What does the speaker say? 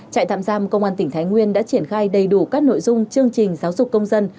trại tạm giam công an tỉnh thái nguyên đã triển khai đầy đủ các nội dung chương trình giáo dục công dân